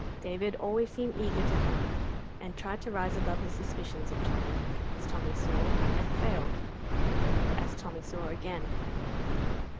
David always seemed eager to come, and tried to rise above his suspicions of Tommy, as Tommy saw, and failed, as Tommy saw again.